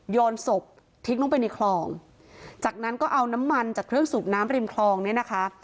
ศพทิ้งลงไปในคลองจากนั้นก็เอาน้ำมันจากเครื่องสูบน้ำริมคลองเนี่ยนะคะ